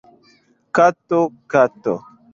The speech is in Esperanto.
Kato! Kato!